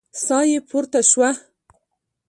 ساه يې پورته شوه.